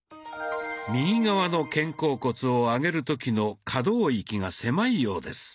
右側の肩甲骨を上げる時の可動域が狭いようです。